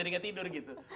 jadi enggak tidur gitu